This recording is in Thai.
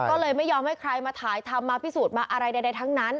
ก็เลยไม่ยอมให้ใครมาถ่ายทำมาพิสูจน์มาอะไรใดทั้งนั้น